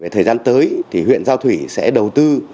thời gian tới thì huyện giao thủy sẽ đầu tư